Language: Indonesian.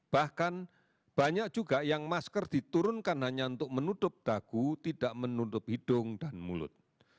bahkan banyak juga yang masker diturunkan hanya untuk menutup dagu tidak menutup hidung dan mulut